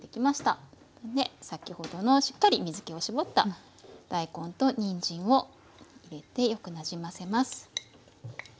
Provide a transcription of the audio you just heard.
先ほどのしっかり水けを絞った大根とにんじんを入れてよくなじませます。